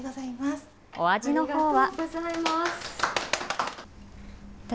お味のほうは。